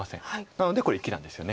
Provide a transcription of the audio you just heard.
なのでこれ生きなんですよね。